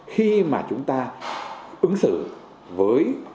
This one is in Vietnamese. khi mà chúng ta ứng xử với